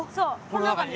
この中に？